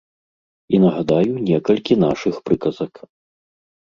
І нагадаю некалькі нашых прыказак.